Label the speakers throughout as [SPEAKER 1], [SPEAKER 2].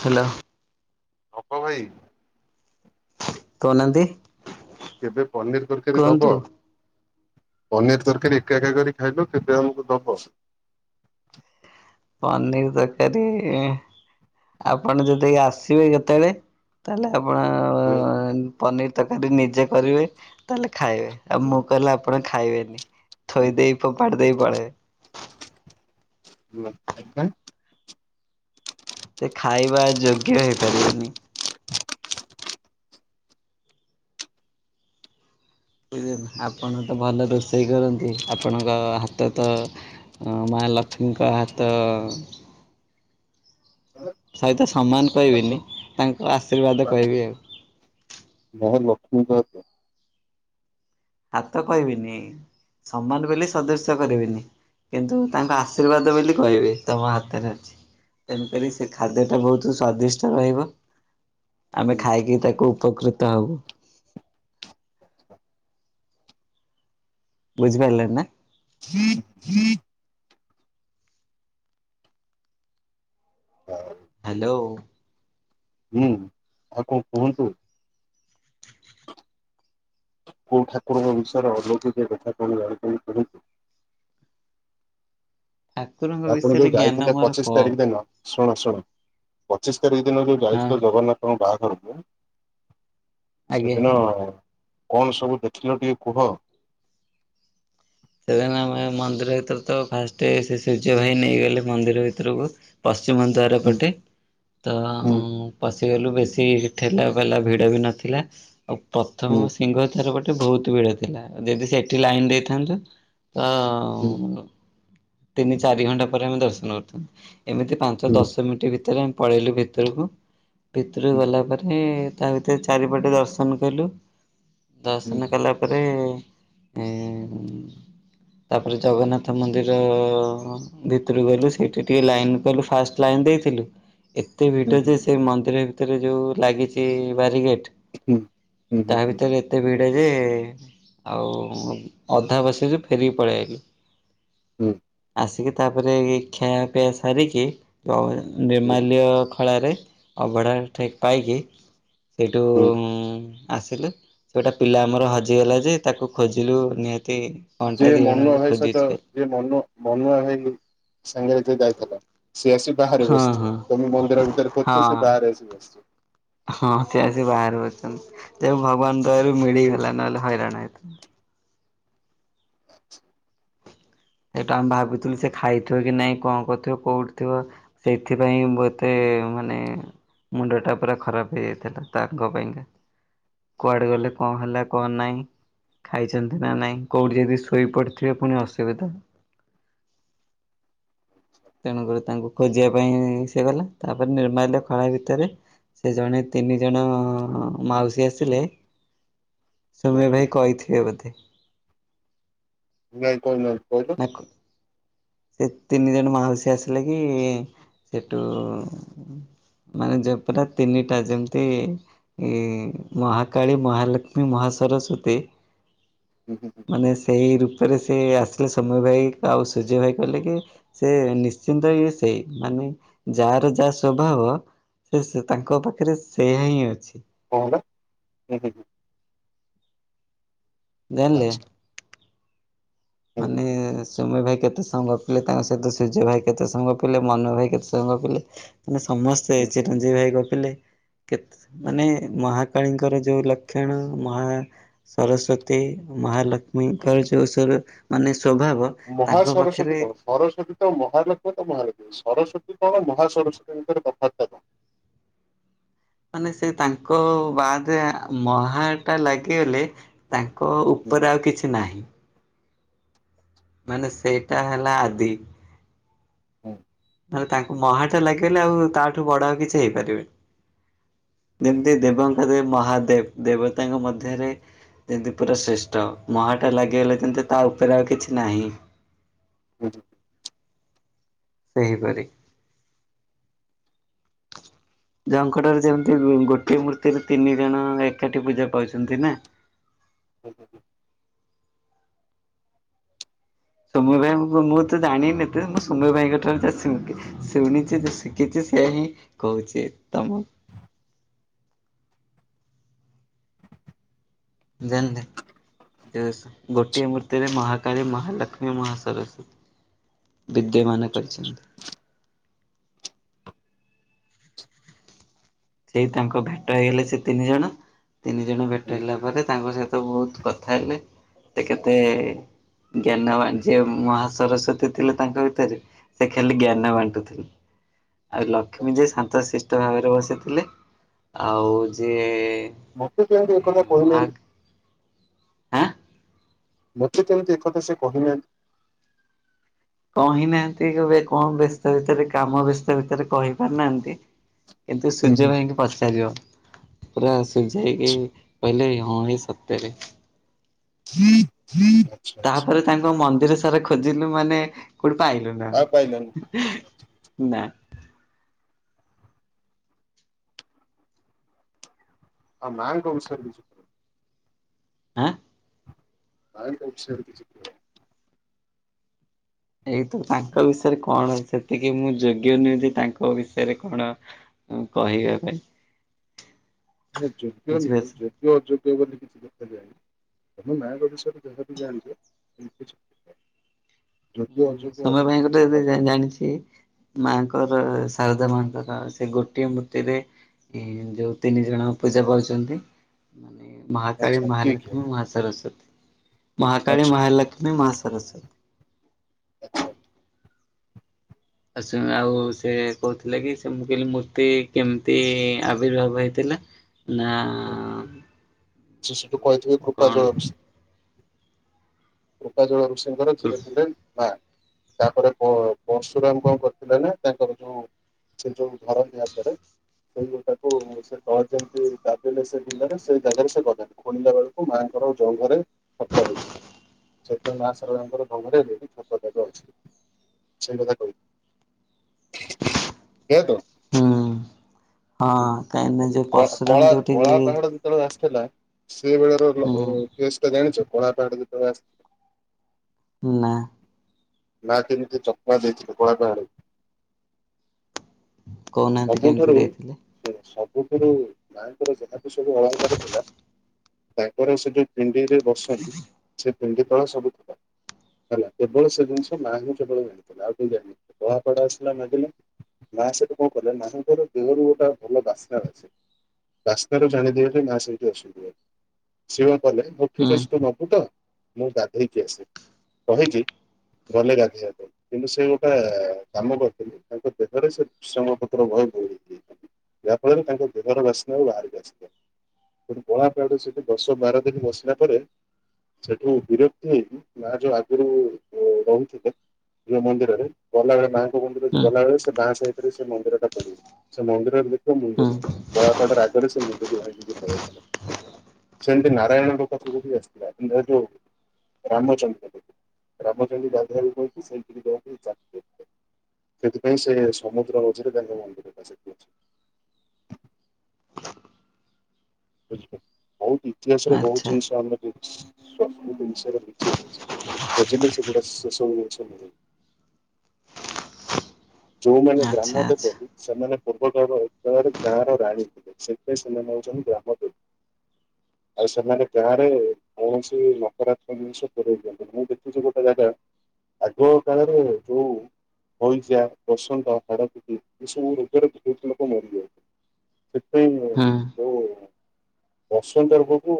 [SPEAKER 1] Hello.
[SPEAKER 2] ଅପ ଭାଇ।
[SPEAKER 1] କଉ ନାଆନ୍ତି।
[SPEAKER 2] କେବେ ପନିର୍ ତରକାରୀ ଦବ? ପନିର୍ ତରକାରୀ ଏକା ଏକା କରି ଖାଇଲ କେବେ ଆମକୁ ଦବ?
[SPEAKER 1] ପନିର୍ ତରକାରୀ ଆପଣ ଯଦି ଆସିବେ କେତବେଳେ ତାହେଲେ ଆପଣ
[SPEAKER 2] ହୁଁ
[SPEAKER 1] ପନିର୍ ତରକାରୀ ନିଜେ କରିବେ ତାହେଲେ ଖାଇବେ। ଆଉ ମୁଁ କଲେ ଆପଣ ଖାଇବେନି ଥୋଇ ଦେଇ ଫୋପାଡି ଦେଇ ପଳେଇବେ।
[SPEAKER 2] [inaudible]
[SPEAKER 1] ସେ ଖାଇବା ଯୋଗ୍ୟ ହେଇପାରିବନି। [inaudible] ଆପଣ ତ ଭଲ ରୋଷେଇ କରନ୍ତି ଆପଣଙ୍କ ହାତ ତ ମା ଲକ୍ଷ୍ମୀ ଙ୍କ ହାତ ସହିତ ସମାନ କହିବିନି ତାଙ୍କ ଆଶୀର୍ବାଦ କହିବି ଆଉ।
[SPEAKER 2] କାହା ଲକ୍ଷ୍ମୀଙ୍କ ହାତ?
[SPEAKER 1] ହାତ କହିବିନି ସମାନ ବୋଲି ସଦୃଶ୍ୟ କରିବିନି। କିନ୍ତୁ ତାଙ୍କ ଆଶୀର୍ବାଦ ବୋଲି କହିବି ତମ ହାତରେ ଅଛି। ତେଣୁକରି ସେ ଖାଦ୍ୟ ଟା ବହୁତ୍ ସ୍ଵାଦିଷ୍ଟ ରହିବ ଆମେ
[SPEAKER 2] ହୁଁ
[SPEAKER 1] ଖାଇକି ତାକୁ ଉପକୃତ ହବୁ। ବୁଝିପାରିଲେ ନା?
[SPEAKER 2] [unintelligible]
[SPEAKER 1] ହାଲୋ।
[SPEAKER 2] ହୁଁ। ଆଉ କଁ କୁହନ୍ତୁ? କୋଉ ଠାକୁରଙ୍କ ବିଷୟରେ ଅଲୌକିକ କଥା କଣ ଜାଣି ଥାଇ ପାରେକି।
[SPEAKER 1] ଠାକୁରଙ୍କ
[SPEAKER 2] ଆପଣ
[SPEAKER 1] ବିଷୟରେ
[SPEAKER 2] ଯୋଉ
[SPEAKER 1] ଜ୍ଞାନ
[SPEAKER 2] ଯାଇଥିଲେ
[SPEAKER 1] ମୋର
[SPEAKER 2] ପଚିଶି୍
[SPEAKER 1] କମ୍
[SPEAKER 2] ତାରିଖ୍ ଦିନ ଶୁଣ ଶୁଣ ପଚିଶି୍ ତାରିଖ୍ ଦିନ ଯୋଉ
[SPEAKER 1] ହଁ
[SPEAKER 2] ଯାଇଥିଲ ଜଗନ୍ନାଥଙ୍କ ବାହାଘରକୁ
[SPEAKER 1] ଆଜ୍ଞା।
[SPEAKER 2] ସେଦିନ କଣ ସବୁ ଦେଖିଲ ଟିକେ କୁହ?
[SPEAKER 1] ସେଦିନ ଆମେ ମନ୍ଦିର ଭିତରେ ତ ଫାଷ୍ଟେ ସେ ସୂର୍ଯ୍ୟ ଭାଇ ନେଇଗଲେ ମନ୍ଦିର ଭିତରକୁ ପଶ୍ଚିମ ଦ୍ୱାର
[SPEAKER 2] ହୁଁ
[SPEAKER 1] ପଟେ ତ ପଶିଗଲୁ ବେଶୀ ଠେଲା ପେଲା ଭିଡ଼ ବି ନଥିଲା। ଆଉ
[SPEAKER 2] ହୁଁ
[SPEAKER 1] ପ୍ରଥମ ସିଂଘ ଦ୍ୱାର ବାଟେ ବହୁତ୍ ଭିଡ ଥିଲା ଯଦି ସେଠି ଲାଇନ୍ ଦେଇଥାନ୍ତୁ ତ
[SPEAKER 2] ହୁଁ
[SPEAKER 1] ଉଁ ତିନି ଚାରି ଘଣ୍ଟା ପରେ ଆମେ ଦର୍ଶନ କରିଥାଆନ୍ତୁ ଏମିତି ପାଞ୍ଚ
[SPEAKER 2] ହୁଁ
[SPEAKER 1] ଦଶ ମିନିଟ୍ ଭିତରେ ଆମେ ପଳେଇଲୁ ଭିତ୍ ଭିତୁରୁକୁ ଭିତୁରୁକୁ
[SPEAKER 2] ହୁଁ
[SPEAKER 1] ଗଲା ପରେ ତା ଭିତରେ ଚାରିପଟେ ଦର୍ଶନ କଲୁ। ଦର୍ଶନ
[SPEAKER 2] ହୁଁ
[SPEAKER 1] କଲା ପରେ ଏ ତାପରେ ଜଗନ୍ନାଥ ମନ୍ଦିର ଭିତରକୁ ଗଲୁ ସେଇଠି ଟିକେ ଲାଇନ କଲୁ ଫାଷ୍ଟ ଲାଇନ୍ ଦେଇଥିଲୁ ଏ ତେ
[SPEAKER 2] ହୁଁ
[SPEAKER 1] ଭିଡ ଯେ
[SPEAKER 2] ହୁଁ
[SPEAKER 1] ସେ ମନ୍ଦିର ଭିତରେ ଯୋଉ ଲାଗିଛି ବ୍ୟାରିଗେଟ୍
[SPEAKER 2] ହୁଁ ହୁଁ ହୁଁ
[SPEAKER 1] ତାହା
[SPEAKER 2] ହୁଁ
[SPEAKER 1] ଭିତରେ ଏତେ ଭିଡ ଯେ ଆଉ ଅଧା ବସିଛୁ ଫେରିକି ପଳେଇଆଇଲୁ
[SPEAKER 2] ହୁଁ
[SPEAKER 1] ଆସିକି ତାପରେ ଖୀଆ ପିଆ ସାରିକି
[SPEAKER 2] ହୁଁ
[SPEAKER 1] ନିର୍ମାଲ୍ୟ ଖଳାରେ ଅବଢ଼ା ମୁଠେ ପାଇକି ସେଇଠୁ
[SPEAKER 2] ହୁଁ
[SPEAKER 1] ଆସିଲୁ ସେ ଗୋଟେ ପିଲା ଆମର ହଜିଗଲା ଯେ ତାକୁ ଖୋଜିଲୁ ନିହାତି ଘଣ୍ଟା
[SPEAKER 2] ଯିଏ
[SPEAKER 1] ଦି ଘଣ୍ଟା
[SPEAKER 2] ମନୁଆ
[SPEAKER 1] ଖଣ୍ଡେ
[SPEAKER 2] ଭାଇ ସହିତ
[SPEAKER 1] ଖୋଜିଛୁ ଖାଲି
[SPEAKER 2] ଯିଏ ମନୁ ମନୁଆ ଭାଇ ସାଙ୍ଗରେ ଯିଏ ଯାଇଥିଲା ସିଏ ଆସି ବାହାରେ
[SPEAKER 1] ହଁ
[SPEAKER 2] ବସିଛି
[SPEAKER 1] ହଁ।
[SPEAKER 2] ତମେ ମନ୍ଦିର ଭିତରେ ଖୋଜୁଛ ସେ
[SPEAKER 1] ହଁ
[SPEAKER 2] ବାହାରେ ଆସିିକି ବସିଛି
[SPEAKER 1] ହଁ ସିଏ ଆସି ବାହାରେ ବସିଛନ୍ତି ସେ ଭଗବାନ
[SPEAKER 2] ହୁଁ
[SPEAKER 1] ଦୟାରୁ ମିଳିଗଲା ନହେଲେ ହଇରାଣ ହେଇଥାନ୍ତା ସେଇଠୁ ଆମେ ଭାବୁଥିଲୁ ସେ ଖାଇଥିବ କି ନାଇଁ କଣ କରୁଥିବ କୋଉଠି ଥିବ ସେଇଥିପାଇଁ ବୋଧେ ମାନେ ମୁଣ୍ଡ ଟା ପୁରା ଖରାପ୍ ହେଇ ଯାଇଥିଲା। ତାଙ୍କ ପାଇଁକା। କୁଆଡ଼େ ଗଲେ? କଣ ହେଲା? କଣ ନାହିଁ? ଖାଇଛନ୍ତି ନା ନାଇଁ? କୋଉଠି ଯଦି ଶୋଇ ପଡ଼ିଥିବେ। ଫୁଣି ଅସୁବିଧା। ତେଣୁ କରି ତାଙ୍କୁ ଖୋଜିବା ପାଇଁ ସିଏ ଗଲା। ତାପରେ ନିର୍ମାଲ୍ୟ ଖଳା ଭିତରେ ସେ ଜଣେ, ତିନି ଜଣ ମାଉସୀ ଆସିଲେ।
[SPEAKER 2] [inaudible]
[SPEAKER 1] ସୌମ୍ୟ
[SPEAKER 2] ହୁଁ
[SPEAKER 1] ଭାଇ କହିଥିବେ ବୋଧେ?
[SPEAKER 2] ନାଇଁ କହି ନାହାନ୍ତି। କହି
[SPEAKER 1] [unintelligible] ସେ ତିନି ଜଣ ମାଉସୀ ଆସିଲେ କି, ସେଠୁ ମାନେ ଯେ ପୁରା ତିନିଟା ଯେମିତି। ଏ ମହା କାଳି, ମହା ଲକ୍ଷ୍ମୀ, ମହା ସରସ୍ଵତୀ।
[SPEAKER 2] ହୁଁ ହୁଁ ହୁଁ
[SPEAKER 1] ମାନେ ସେଇ ରୂପରେ ସେ ଆସିଲେ। ସୌମ୍ୟ ଭାଇ ଆଉ ସୂର୍ଯ୍ୟ ଭାଇ କହିଲେ କି? ସେ ନିଶ୍ଚିନ୍ତ ଇଏ ସେଇ। ମାନେ ଯାହା ର ଯାହା ସ୍ୱଭାବ। ସେ ସେ ତାଙ୍କ ପାଖରେ ସେଇୟା ହିଁ ଅଛି।
[SPEAKER 2] କଣ ହେଲା? ହୁଁ ହୁଁ।
[SPEAKER 1] ଜାଣିଲେ?
[SPEAKER 2] ଆଚ୍ଛା ହୁଁ ହୁଁ
[SPEAKER 1] ମାନେ
[SPEAKER 2] ହୁଁ
[SPEAKER 1] ସୌମ୍ୟ ଭାଇ କେତେ ସମୟ ଗପିଲେ। ତାଙ୍କ ସହିତ ସୂର୍ଯ୍ୟ ଭାଇ କେତେ ସମୟ ଗପିଲେ। ମନୁଆ ଭାଇ କେତେ ସମୟ ଗପିଲେ। ମାନେ ସମସ୍ତେ।
[SPEAKER 2] ହୁଁ
[SPEAKER 1] ଚିରଞ୍ଜିବୀ ଭାଇ ଗପିଲେ। କେତେ
[SPEAKER 2] ହୁଁ।
[SPEAKER 1] ମାନେ ମହା କାଳୀଙ୍କର ଯୋଉ ଲକ୍ଷଣ। ମହା ସରସ୍ଵତୀ, ମହା ଲକ୍ଷ୍ମୀ, କାଳି ଯୋଉ ସ୍ୱର ମାନେ ସ୍ଵଭାବ।
[SPEAKER 2] ମହା ସରସ୍ଵତୀ କଣ? ସରସ୍ୱତୀ ତ ମହାଲକ୍ଷ୍ମ ତ ମହାଲକ୍ଷ୍ମୀ। ସରସ୍ୱତୀ କଣ ମହା ସରସ୍ୱତୀଙ୍କର ତଫାତ୍ କଣ?
[SPEAKER 1] ମାନେ ସେ ତାଙ୍କ ବାଦେ ଆ ମହା ଟା ଲାଗିଗଲେ। ତା ଙ୍କ
[SPEAKER 2] ହୁଁ
[SPEAKER 1] ଉପରେ ଆଉ କିଛି ନାହିଁ। ମାନେ ସେଇଟା ହେଲା ଆଦି।
[SPEAKER 2] ହୁଁ
[SPEAKER 1] ନହେଲେ ତାଙ୍କୁ ମହା ଟା ଲାଗିଗଲେ। ଆଉ ତାଠୁ ବଡ଼ ଆଉ କିଛି ହେଇ ପାରିବନି। ଯେମିତି ଦେବଙ୍କ ଦେବ ମହାଦେବ। ଦେବତାଙ୍କ ମଧ୍ୟରେ ଯେମିତି ପୁରା ଶ୍ରେଷ୍ଠ। ମହା ଟା ଲାଗିଗଲେ ଯେମିତି ତା ଉପରେ ଆଉ କିଛି ନାହିଁ।
[SPEAKER 2] ହୁଁ
[SPEAKER 1] ସେହିପରି। ଝଙ୍କଡ଼ରେ ଯେମିତି ଗୋଟିଏ ମୂର୍ତ୍ତିରେ ତିନି ଜଣ ଏକାଠି ପୂଜା ପାଉଛନ୍ତି ନା।
[SPEAKER 2] ହୁଁ ହୁଁ।
[SPEAKER 1] ସୌମ୍ୟ ଭାଇଙ୍କୁ ମୁଁ ମୁଁ ତ ଜାଣିନି ଏତେ। ମୁଁ ସୌମ୍ୟ ଭାଇଙ୍କଠାରୁ ଯାହା ସେ ଶୁଣିଛି ଯାହା ଶିଖିଛି। ସେୟା ହିଁ କହୁଛି ତମକୁ। ଜାଣିଲେ? [unintelligible] ଗୋଟିଏ ମୂର୍ତ୍ତିରେ ମହା କାଳୀ, ମହା ଲକ୍ଷ୍ମୀ, ମହା ସରସ୍ଵତୀ। ବିଦ୍ୟ ମାନ
[SPEAKER 2] ଆଚ୍ଛା
[SPEAKER 1] କରିଛନ୍ତି। ସେଇ ତାଙ୍କ ଭେଟ ହେଇଗଲେ ସେ ତିନି ଜଣ। ତିନି ଜଣ ଭେଟ
[SPEAKER 2] ହୁଁ
[SPEAKER 1] ହେଇଲା ପରେ। ତାଙ୍କ ସହିତ ବହୁତ୍ କଥା ହେଲି। ସେ କେତେ ଜ୍ଞାନ ବାଣ୍ଟେ ଯିଏ। ମହା ସରସ୍ଵତୀ ଥିଲେ ତାଙ୍କ ଭିତେରେ ସେ ଖାଲି ଜ୍ଞାନ
[SPEAKER 2] ହୁଁ,
[SPEAKER 1] ବାଣ୍ଟୁଥିଲେ। ଆଉ ଲକ୍ଷ୍ମୀ ଯେ,
[SPEAKER 2] ଆଚ୍ଛା
[SPEAKER 1] ଶାନ୍ତ ଶିଷ୍ଟ ଭାବରେ ବସି ଥିଲେ। ଆଉ ଯିଏ
[SPEAKER 2] ମତେ କାହିଁକି ଏଇ କଥା
[SPEAKER 1] ମହା
[SPEAKER 2] କହିଲେନି?
[SPEAKER 1] ଆଁ?
[SPEAKER 2] ମୋତେ କେମିତି ଏ କଥା ସେ କହି ନାହାନ୍ତି।
[SPEAKER 1] କହି ନାହାନ୍ତି କେବେ କଣ ବ୍ୟସ୍ତ ଭିତରେ କାମ ବ୍ୟସ୍ତ ଭିତରେ କହି ପାରିନାହାନ୍ତି। କିନ୍ତୁ,
[SPEAKER 2] ହୁଁ ହୁଁ
[SPEAKER 1] ସୂର୍ଯ୍ୟ ଭାଇଙ୍କୁ ପଚାରିବ। କହିଲା ସୂର୍ଯ୍ୟ ଭାଇ କି
[SPEAKER 2] ଆଚ୍ଛା
[SPEAKER 1] କହିଲେ ହଁ ହିଁ ସତରେ।
[SPEAKER 2] [unintelligible]
[SPEAKER 1] ତାପରେ ତାଙ୍କ ମନ୍ଦିର ସାରା ଖୋଜିଲୁ ମାନେ କୋଉଠି ପାଇଲୁ ନା
[SPEAKER 2] ଆଉ ପାଇଲାନି।
[SPEAKER 1] ଆମେ। ନା।
[SPEAKER 2] ଆଉ ମାଙ୍କ ବିଷୟରେ କିଛି କୁହ
[SPEAKER 1] ଆଁ।
[SPEAKER 2] [unintelligible]
[SPEAKER 1] ଏଇ ତ ତାଙ୍କ ବିଷୟରେ କଣ ସେତିକି ମୁଁ ଯୋଗ୍ୟ ନୁହେଁ ଯେ ତାଙ୍କ ବିଷୟରେ କଣ। ହଁ କହିବା ପାଇଁ।
[SPEAKER 2] ଯୋଗ୍ୟ ନୁହେଁ
[SPEAKER 1] ବୁଝିପାରୁଛ
[SPEAKER 2] ଯୋ ଅଯୋଗ୍ୟ ବୋଲି କିଛି ଦେଖାଯାଏନି ତମ ମାଆଙ୍କ ବିଷୟରେ ଯାହା ବି ଜାଣିଛ। [unintelligible]
[SPEAKER 1] ହୁଁ
[SPEAKER 2] ଅଯୋଗ୍ୟ
[SPEAKER 1] ସୌମ୍ୟ
[SPEAKER 2] ଆଗରେ କିଛି
[SPEAKER 1] ଭାଇଙ୍କୁ ତ ଏବେ
[SPEAKER 2] ଦେଖାଯାଏନି
[SPEAKER 1] ଜାଣିଛି। ମାଙ୍କର ଶାରଦା ମାଙ୍କର ସେ ଗୋଟିଏ ମୂର୍ତ୍ତିରେ ଯଉ ତିନି ଜଣ ପୂଜା ପାଉଛନ୍ତି। ମାନେ ମହାକାଳୀ
[SPEAKER 2] ଆଚ୍ଛା କିଏ କିଏ
[SPEAKER 1] ମହାଲକ୍ଷ୍ମୀ ମହା ସରସ୍ଵତୀ ମହାକାଳୀ
[SPEAKER 2] ଆଚ୍ଛା
[SPEAKER 1] ମହାଲକ୍ଷ୍ମୀ। ନାଇଁ ମା ସରସ୍ବତୀ।
[SPEAKER 2] ଆଚ୍ଛା।
[SPEAKER 1] ଆଚ୍ଛା ଆଉ ସେ କହୁଥିଲେ କି ସେ କହିଲି ମୂର୍ତ୍ତି କେମିତି ଆବିର୍ଭାବ ହେଇଥିଲା। ନା।
[SPEAKER 2] ସେ ସେଠୁ
[SPEAKER 1] ଯୋଉ
[SPEAKER 2] କହିଥିବେ କୃପା
[SPEAKER 1] କଣ
[SPEAKER 2] ଜଳଉଛି। କୃପାଜଳ ଋଷିଙ୍କର
[SPEAKER 1] କୃ
[SPEAKER 2] ଝିଅ ଥିଲେ ନାଁ। ତାପରେ ପ ପରଶୁରାମ କଣ କରିଥିଲେ ନା ତାଙ୍କର ଯୋଉ। ସେ ଯୋଉ ଘର ନିଆପ ସେଇ ଯୋଉଟାକୁ ସେ କ ଯେମିତି [unintelligible] ସେ ବିଲରେ ସେ ଜାଗାରେ ସେ ଗଦା ଖୋଳିଲା ବେଳକୁ ମାଆଙ୍କର ଜଙ୍ଘରେ ଖତ ହେଇଥିଲା। ସେତେ ମା ଶାରଦାଙ୍କର ଜଙ୍ଘରେ ଛପ ଦେବ ଅଛି ସେଇକଥା କହିଲି। କିଏ ତୁ?
[SPEAKER 1] ହୁଁ ହଁ କାହିଁକିନା ଯୋଉ ପର୍ଶୁରାମ
[SPEAKER 2] କଳା
[SPEAKER 1] ଯୋଉଠି
[SPEAKER 2] କଳା
[SPEAKER 1] ବି
[SPEAKER 2] ପାହାଡ ଯେତେବେଳେ ଆସିଥିଲା ସେ ବେଳର
[SPEAKER 1] ହୁଁ
[SPEAKER 2] ଉଦ୍ଦେଶ୍ୟ ଟା ଜାଣିଛ କଳାପହାଡ ଯେତେବେଳେ ଆସି
[SPEAKER 1] ନା।
[SPEAKER 2] ନା କେମିତି ଚକମା ଦେଇଥିଲେ କଳାପାହାଡ଼କୁ?
[SPEAKER 1] କହୁନାହାନ୍ତି କେମିତି
[SPEAKER 2] ସବୁଠାରୁ
[SPEAKER 1] ଦେଇଥିଲେ?
[SPEAKER 2] ଶୁଣୁ ସବୁଠାରୁ ମାଙ୍କର ଯାହା ବିି ସବୁ ଅଳଙ୍କାର ଥିଲା ତାପରେ ସେ ଯୋଉ ପିଣ୍ଡି ରେ ବସନ୍ତି ସେ ପିଣ୍ଡି ତଳ ସବୁ ଥିଲା। ହେଲା କେବଳ ସେ ଜିନିଷ ମାଙ୍କୁ କେବଳ ଜାଣିଥିଲେ ଆଉ କେହି ଜାଣି ପଡାପଡୋସୀ ବା ମାଗିଲେ। ମା ସେଠୁ କଣ କଲେନା ତାର ଦେହରୁ ଗୋଟା ଭଲ ବାସନା ଅଛି। ବାସ୍ନାରୁ ଜାଣିଦିଏନ୍ତି ମା ସେଇଠି ଅଛି ବୋଲି। ସିଏ କଣ କଲେ
[SPEAKER 1] ହୁଁ
[SPEAKER 2] ଠିକ ଅଛି ତୁ ନବୁତ ମୁଁ ଗାଧେଇକି ଆସେ କହିକି ଗଲେ ଗାଧୋଇବା ପାଇଁ କିନ୍ତୁ ସେ ଗୋଟେ କାମ କରିଥିଲେ ତାଙ୍କ ଦେହରେ ସେ ଭୃସଙ୍ଗ ପତ୍ର ଭୟ ବହୁତ ଦେଇଦେଇଥାନ୍ତି ଯାହାଫଳରେ ତାଙ୍କ ଦେହର ବାସ୍ନା ଆଉ ବାହାରକୁ ଆସିବ ଗଲି କଳାପାହାଡ ସେଠି ଦଶ ବାର ଦିନ ବସିଲା ପରେ ସେଠୁ ବିରକ୍ତି ହେଇକି ମା ଯୋଉ ଆଗରୁ ରହୁଥିଲେ ଯୋଉ ମନ୍ଦିରରେ ଗଲାବେଳେ ମାଆଙ୍କ ମନ୍ଦିରରେ
[SPEAKER 1] ହୁଁ
[SPEAKER 2] ଗଲାବେଳେ ସେ ମା ସହିତରେ ସେ ମନ୍ଦିର ଟା ପଡିବ। ସେ ମନ୍ଦିରରେ ଦେଖିବ ମୁଣ୍ଡି
[SPEAKER 1] ହୁଁ
[SPEAKER 2] ନାହିଁ କଳାପାହାଡ ଆଗରେ ସେ ମୁଣ୍ଡିରୁ ଭାଙ୍ଗିକି ପଳଉଥିଲା। ସେମତି ନାରାୟଣଙ୍କ ପାଖକୁ ବି ଆସିଥା କି ଏ ଯୋଉ ରାମଚନ୍ଦ୍ରଙ୍କ ରାମଚନ୍ଦ୍ର ଗାଧେରକୁ କହିକି ସେଇଠି କୋଉଠି ଚାଏ ସେଥିପାଇଁ ସେ ସମୁଦ୍ର ମଝିରେ ତାଙ୍କ ମନ୍ଦିରଟା ସେ ବୁଝିବ ବହୁତ ଇତିହାସରେ ବହୁତ
[SPEAKER 1] ଆଚ୍ଛା
[SPEAKER 2] ଜିନିଷ ଆମ ସବୁ ଜିନିଷର କିଛିର କିଛି ଖୋଜିଲେ ସେ ଗୁଡ଼ା ସେ ସବୁ ଜିନିଷ ମିଳ। ଯୋଉମାନେ
[SPEAKER 1] ଆଚ୍ଛା
[SPEAKER 2] ଗ୍ରାମ
[SPEAKER 1] ଆଚ୍ଛା
[SPEAKER 2] ଦେବତୀ ସେମାନେ ପୂର୍ବକାଳରୁ ଏକାଳ ଗାଁ ର ରାଣୀ ଥିଲେ ସେଥିପାଇଁ ସେମାନେ ହଉଛନ୍ତି ଗ୍ରାମ ଦେବୀ। ଆଉ ସେମାନେ ଗାଁରେ କୌଣସି ନକରାତ୍ମକ ଜିନିଷ ପୁରେଇ ଦିଅନ୍ତିନି। ମୁଁ ଦେଖୁଛି ଗୋଟେ ଜାଗା ଆଗ କାଳରେ ଯୋଉ ହଇଜା, ବସନ୍ତ, ହାଡ଼ଫୁଟି ଏସବୁ ରୋଗରେ ବହୁତ ଲୋକ ମରିଯାଆନ୍ତି।
[SPEAKER 1] ହୁଁ
[SPEAKER 2] ସେଇଥିପାଇଁ ବହୁ ବସନ୍ତ ରୋଗକୁ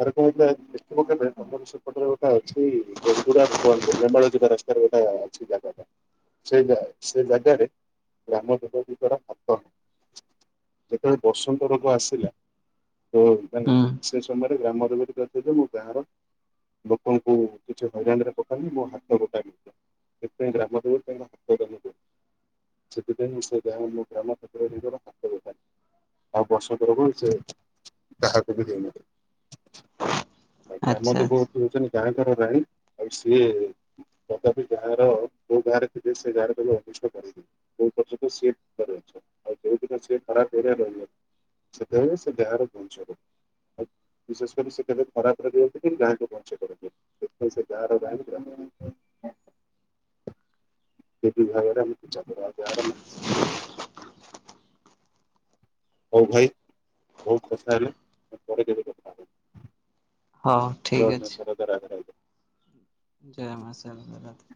[SPEAKER 2] ଘରକୁ ମଧ୍ୟ ଦେଖିବ କେବେ ପରବ ସେପଟରେ ଗୋଟେ ଅଛି ବେଙ୍ଗୁରା ଭବନ ବନ୍ୟମାଳ ଯା ରାସ୍ତାରେ ଗୋଟେ ଅଛି ଜାଗା ଟା। ସେ ଜା ସେ ଜାଗାରେ ଗ୍ରାମ ଦେବତୀଙ୍କର ହାତ ଯେତବେଳେ ବସନ୍ତ ରୋଗ ଆସିଲା ତ ମାନେ
[SPEAKER 1] ହୁଁ
[SPEAKER 2] ସେ ସମୟରେ ଗ୍ରାମ ଦେବତୀଙ୍କ ହାତରୁ ମୋ ଗାଁର ଲୋକଙ୍କୁ କିଛି ହଇରାଣରେ ପକାଇଲେ ମୋ ହାତ ଗୋଟାଏ ସେଇଥିପାଇଁ ଗ୍ରାମ ଦେବତୀ ତାଙ୍କ ହାତ ଇଏ କରିଦେଇଥିଲେ। ସେଥିପାଇଁ ସେ ମୋ ଗ୍ରାମ ଠାକୁରାଣୀଙ୍କର ହାତ ନଥାଏ, ଆଉ ବସନ୍ତ ରୋଗ ହୁଏ ସେ କାହାକୁ ବି ଦେଇନଥିଲେ, ତାପରେ ଗ୍ରାମ
[SPEAKER 1] ଆଚ୍ଛା
[SPEAKER 2] ଦେବ
[SPEAKER 1] ଆଚ୍ଛା
[SPEAKER 2] ସେ ହଉଛନ୍ତି ଗାଁଙ୍କର ରାଣୀ, ଆଉ ସିଏ କଦାପି ଗାଁ ର ଯୋଉ ଗାଁରେ ଥିବେ ସେ ଗାଁର କେବେ ଅନିଷ୍ଟ କରିିବେ ଯୋଉ ପର୍ଯ୍ୟନ୍ତ ସିଏ ତାର ଛଉ ଆଉ ଯୋଉଦିନ ସିଏ ଖରା କର ରହି ସେତେବେଳେ ସେ ତାର ବୁଝିବ। ବିଶେଷ କରି ସେ କେବେ ଖରାପ ଭାବିବନି କି ଗାଁକୁ ବଞ୍ଚେଇ ପାରିବ ସେଥିପାଇଁ ସେ ଗାଁର ଗାଇକା ଏ [unintelligible] ହଉ ଭାଇ ବହୁତ କଥା ହେଲ ଆଉ ପରେ କେବେ କଥା ହେବା।
[SPEAKER 1] ହଉ ଠିକ୍ ଅଛି।
[SPEAKER 2] [unintelligible]
[SPEAKER 1] ଜୟ ମା ସାର୍ [unintelligible]